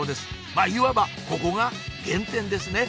まぁいわばここが原点ですね